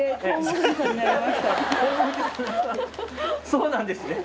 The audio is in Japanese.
そうなんですね。